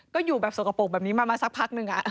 ก็อยู่แบบสกปรกแบบนี้มาสักพักหนึ่ง